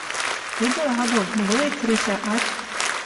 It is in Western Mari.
Ӹдӹр агыл, млоец решӓ ач...